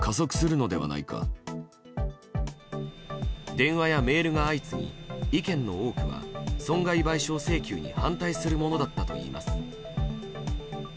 電話やメールが相次ぎ意見の多くは、損害賠償請求に反対するものだったといいます。